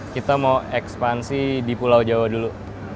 kita mau ekspansi di pulau jawa dulu